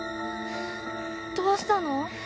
どうしたの？